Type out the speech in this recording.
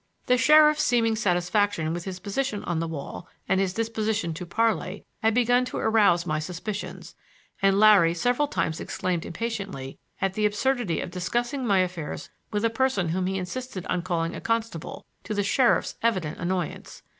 The sheriff's seeming satisfaction with his position on the wall and his disposition to parley had begun to arouse my suspicions, and Larry several times exclaimed impatiently at the absurdity of discussing my affairs with a person whom he insisted on calling a constable, to the sheriff's evident annoyance.